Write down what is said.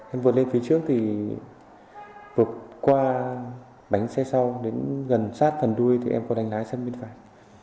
em vượt lên phía trước thì vượt qua bánh xe sau đến gần sát phần đuôi thì em có đánh lái sang bên phải